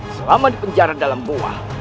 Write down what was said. selama di penjara dalam buah